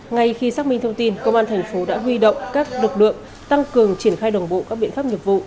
ngay khi xác minh thông tin công an tp thuận an đã huy động các lực lượng tăng cường triển khai đồng bộ các biện pháp nhập vụ